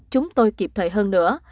chúng tôi kịp thời hơn nữa